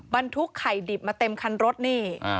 บรรทุกไข่ดิบมาเต็มคันรถนี่